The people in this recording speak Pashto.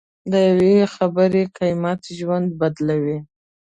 د یوې خبرې قیمت ژوند بدلوي.